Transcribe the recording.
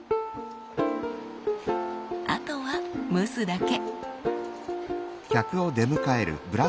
あとは蒸すだけ。